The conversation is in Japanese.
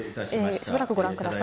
しばらくご覧ください。